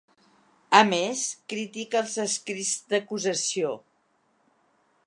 A més, critica els escrits d’acusació.